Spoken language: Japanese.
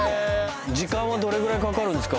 時間はどれぐらいかかるんですか？